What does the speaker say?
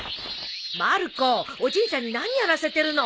まる子おじいちゃんに何やらせてるの！